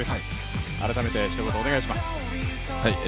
改めて一言お願いします。